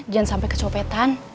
jangan sampai kecopetan